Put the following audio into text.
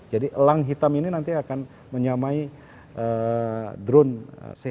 jadi elang hitam ini nanti akan menyamai drone ch empat itu